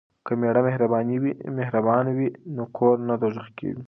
که میړه مهربان وي نو کور نه دوزخ کیږي.